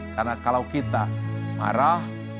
karena kalau kita marah